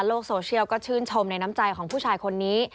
โซเชียลก็ชื่นชมในน้ำใจของผู้ชายคนนี้